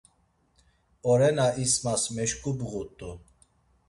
Orena İsmas meşǩubğut̆u.